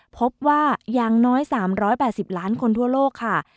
พบว่าอย่างน้อย๓๘๐ล้านคนทั่วโลกค่ะ